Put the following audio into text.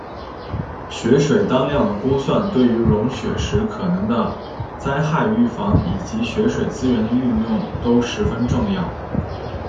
雪水当量的估算对于融雪时可能的灾害预防以及雪水资源的运用都十分重要。